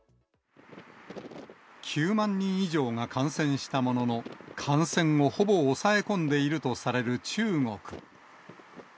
９万人以上が感染したものの、感染をほぼ抑え込んでいるとされる中国。